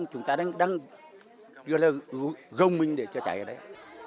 chúng ta đang gồm mình để cháy ở đấy